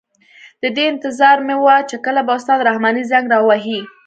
د دې انتظار مې وه چې کله به استاد رحماني زنګ را وهي.